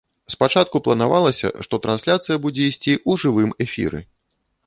Спачатку планавалася, што трансляцыя будзе ісці ў жывым эфіры.